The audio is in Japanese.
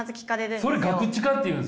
それ「ガクチカ」って言うんですか？